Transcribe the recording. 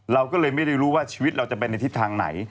เราก็เลยไม่ได้รู้ว่าชีวิตเราจะเป็นในทิศทางไหน